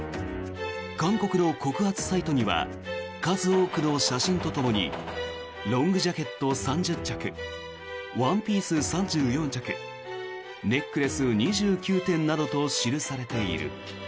韓国の告発サイトには数多くの写真とともにロングジャケット３０着ワンピース３４着ネックレス２９点などと記されている。